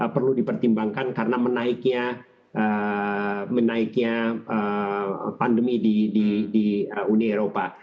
perlu dipertimbangkan karena menaiknya pandemi di uni eropa